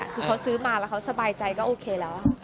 คือเขาซื้อมาแล้วเขาสบายใจก็โอเคแล้ว